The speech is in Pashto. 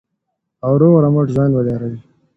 او روغ رمټ ژوند ولرئ.